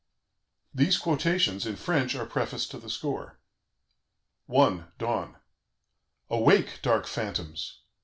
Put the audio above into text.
These quotations, in French, are prefaced to the score: "I. DAWN "Awake, dark phantoms!